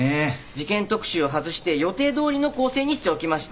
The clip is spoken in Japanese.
事件特集を外して予定どおりの構成にしておきました。